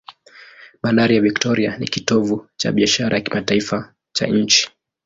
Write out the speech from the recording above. Bandari ya Victoria ni kitovu cha biashara ya kimataifa cha nchi.